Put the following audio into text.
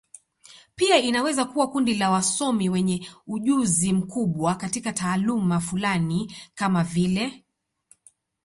Pia inaweza kuwa kundi la wasomi wenye ujuzi mkubwa katika taaluma fulani, kama vile.